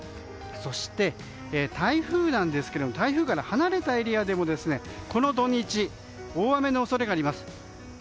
そして台風から離れたエリアでもこの土日、大雨の恐れがあります。